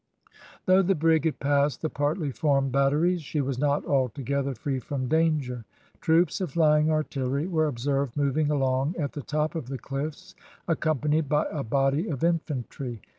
Though the brig had passed the partly formed batteries, she was not altogether free from danger. Troops of flying artillery were observed moving along at the top of the cliffs, accompanied by a body of infantry.